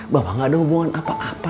bapak gak ada hubungan apa apa